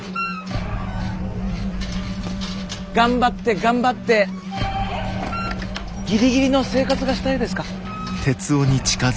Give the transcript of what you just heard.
頑張って頑張ってギリギリの生活がしたいですか？